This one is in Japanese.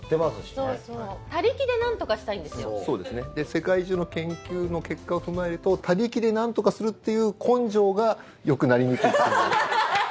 世界中の研究の結果を踏まえると他力でなんとかするっていう根性がよくなりにくいっていう。